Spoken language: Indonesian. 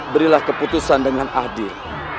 berilah keputusan dengan adil